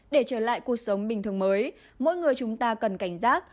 để trở lại cuộc sống bình thường mới mỗi người chúng ta cần cảnh giác